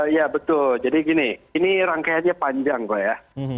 ya betul jadi gini ini rangkaiannya panjang kok ya